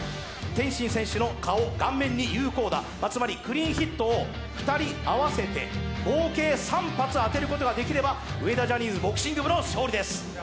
天心選手の顔、顔面に有効打、つまりクリーンヒットを２人合わせて合計３発当てることができれば、上田ジャニーズボクシング部の勝利です。